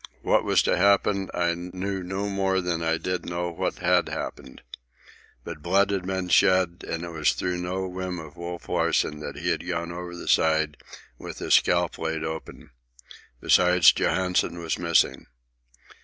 What was to happen I knew no more than did I know what had happened. But blood had been shed, and it was through no whim of Wolf Larsen that he had gone over the side with his scalp laid open. Besides, Johansen was missing.